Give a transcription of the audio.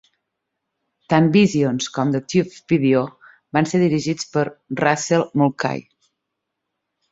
Tant "Visions" com "The Tubes Video" van ser dirigits per Russell Mulcahy.